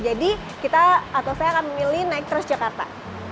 jadi kita atau saya akan memilih naik transjakarta